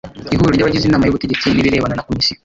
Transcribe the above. ihuriro ry abagize Inama y ubutegetsi n ibirebana na komisiyo